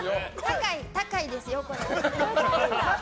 高いですよ、これ。